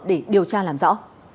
để điều tra làm rõ